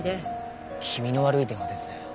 気味の悪い電話ですね。